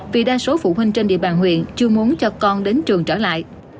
vì đa số phụ huynh trên địa bàn huyện chưa muốn cho con đến trường trở lại